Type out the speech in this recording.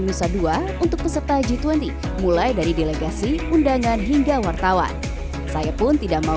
nusa dua untuk peserta g dua puluh mulai dari delegasi undangan hingga wartawan saya pun tidak mau